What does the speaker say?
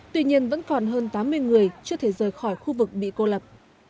tuy nhiên vẫn còn hơn tám mươi người chưa thể rời khỏi khu vực bị cô lập